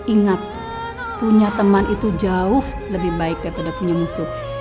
ingat punya teman itu jauh lebih baik daripada punya musuh